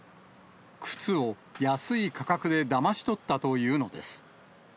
靴を安い価格でだまし取ったというのです。